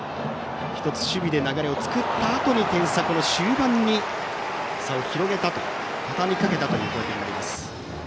１つ、守備で流れを作ったあとに点差、終盤に差を広げたとたたみかけたという攻撃になります。